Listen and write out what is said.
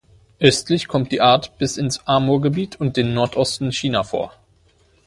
Östlich kommt die Art bis ins Amurgebiet und den Nordosten China vor.